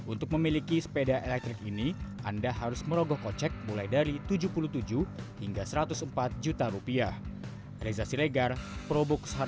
untuk memiliki sepeda elektrik ini anda harus merogoh kocek mulai dari tujuh puluh tujuh hingga satu ratus empat juta rupiah